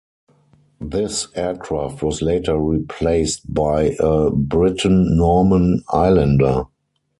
This aircraft was later replaced by a Britten-Norman Islander.